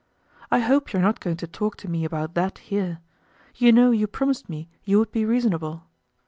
"I hope you're not going to talk to me about that here. You know you promised me you would be reasonable.